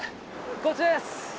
こっちです。